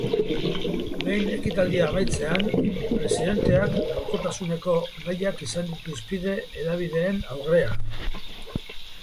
Behin ekitaldia amaitzean, presidenteak gaurkotasuneko gaiak izan ditu hizpide hedabideen aurrean.